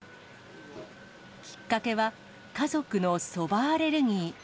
きっかけは、家族のそばアレルギー。